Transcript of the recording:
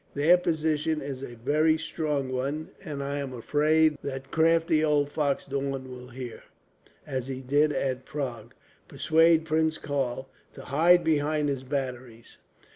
Their position is a very strong one, and I am afraid that crafty old fox Daun will here, as he did at Prague, persuade Prince Karl to hide behind his batteries.